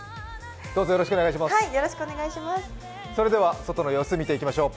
それでは外の様子を見ていきましょう。